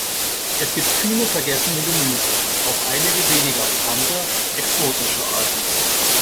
Es gibt viele vergessene Gemüse, auch einige weniger bekannte exotische Arten.